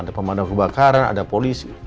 ada pemadam kebakaran ada polisi